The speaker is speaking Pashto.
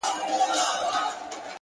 نیک عمل تر خبرو ډېر اغېز لري’